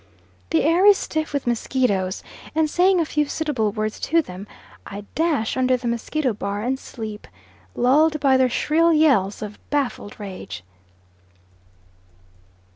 The air is stiff with mosquitoes, and saying a few suitable words to them, I dash under the mosquito bar and sleep, lulled by their shrill yells of baffled rage.